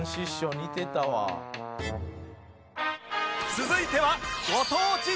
続いては